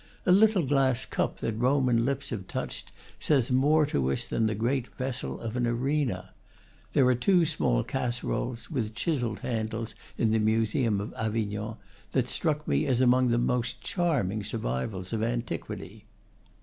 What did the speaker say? A little glass cup that Roman lips have touched says more to us than the great vessel of an arena. There are two small silver casseroles, with chi selled handles, in the museum of Avignon, that struck me as among the most charming survivals of anti quity.